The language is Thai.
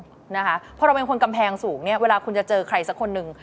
เพราะเราเป็นคนกำแพงสูงเนี่ยเวลาคุณจะเจอใครสักคนหนึ่ง